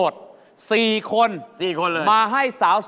ดวงชะตา